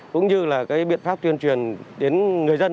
cũng như là cái biện pháp tuyên truyền đến người dân